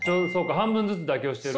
半分ずつ妥協してる。